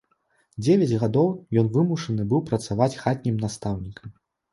Дзевяць гадоў ён вымушаны быў працаваць хатнім настаўнікам.